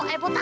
oh air potak